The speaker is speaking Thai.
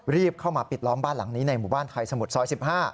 รีบเข้ามาปิดล้อมบ้านหลังนี้ในหมู่บ้านไทยสมุทรซอย๑๕